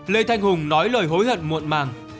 lê thanh hùng nói lời hối hận muộn màng